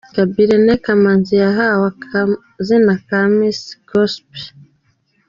Gaby Irene Kamanzi yahawe akazina ka 'Miss Gospel'.